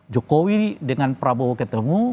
jokowi dengan prabowo ketemu